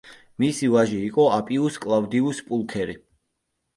მისი ვაჟი იყო აპიუს კლავდიუს პულქერი.